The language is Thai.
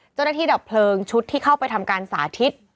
เจ้าหน้าที่ดับพลึงชุดที่เข้าไปทำการสาธิต